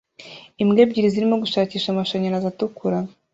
Imbwa ebyiri zirimo gushakisha amashanyarazi atukura